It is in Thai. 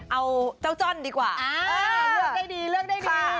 เอาเจ้าจ้อนดีกว่าเลือกได้ดีเลือกได้ดี